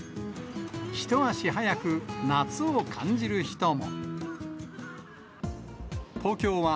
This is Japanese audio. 一足早く、夏を感じる人も。